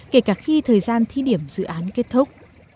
kể cả khi thời gian thi điểm dự án kết thúc